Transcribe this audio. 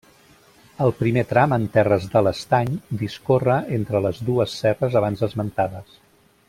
El primer tram en terres de l'Estany discorre entre les dues serres abans esmentades.